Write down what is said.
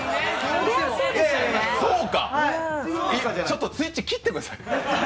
そうか、ちょっとスイッチ切ってください。